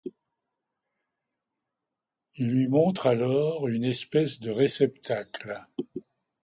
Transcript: Il lui montre alors une espèce de réceptacle.